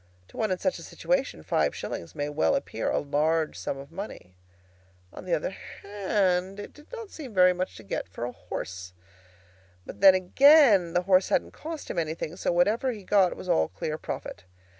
To one in such a situation, five shillings may very well appear a large sum of money. On the other hand, it did not seem very much to get for a horse. But then, again, the horse hadn't cost him anything; so whatever he got was all clear profit.